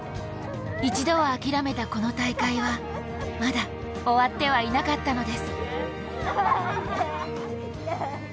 一度は諦めたこの大会はまだ終わってはいなかったのです